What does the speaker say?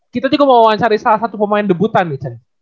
kita juga mau wawancari salah satu pemain debutan nih chen